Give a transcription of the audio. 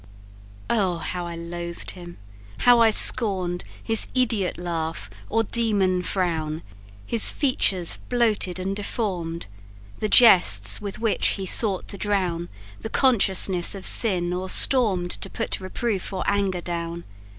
"Oh, how I loath'd him! how I scorn'd His idiot laugh, or demon frown, His features bloated and deform'd; The jests with which he sought to drown The consciousness of sin, or storm'd, To put reproof or anger down.